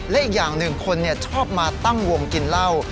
และอีกอย่างหนึ่งคนชอบมาตั้งวงกินเหล้า